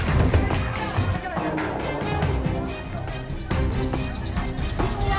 kalau adah centur categories femalection